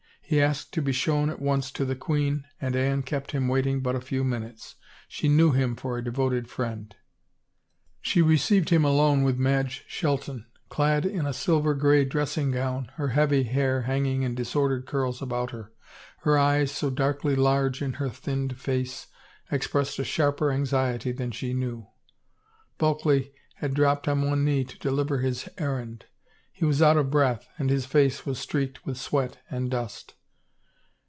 He asked to be shown at once to the queen and Anne kept him waiting but a few min utes. She knew him for a devoted friend. 320 A BLOW IN THE DARK She received him alone with Madge Shelton, clad in a silver gray dressing gown, her heavy hair hanging in disordered curls about her. Her eyes, so darkly large in her thinned face, expressed a sharper anxiety than she knew. Bulkley had dropped on one knee to deliver his errand ; he was out of breath and his face was streaked with sweat and dust.